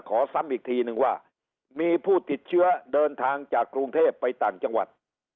ซ้ำอีกทีนึงว่ามีผู้ติดเชื้อเดินทางจากกรุงเทพไปต่างจังหวัด